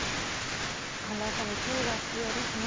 寒暖差に注意が必要ですね。